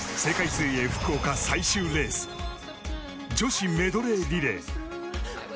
水泳福岡最終レース女子メドレーリレー。